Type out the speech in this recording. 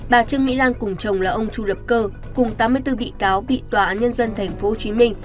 bà trương mỹ lan cùng chồng là ông chu lập cơ cùng tám mươi bốn bị cáo bị tòa án nhân dân tp hcm